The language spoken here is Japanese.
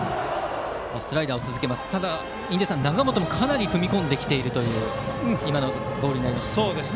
ただ、印出さん永本もかなり踏み込んできているという今のボールになりました。